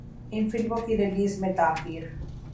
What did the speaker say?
ان فلموں کی ریلیز میں تاخیر